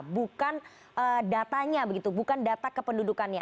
bukan datanya begitu bukan data kependudukannya